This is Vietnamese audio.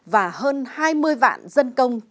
và hơn hai mươi vạn dân công